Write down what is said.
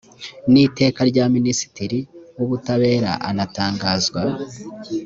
n iteka n rya minisitiri w ubutabera anatangazwa